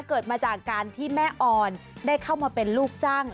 เกิดมาจากการที่แม่ออนได้เข้ามาเป็นลูกจ้าง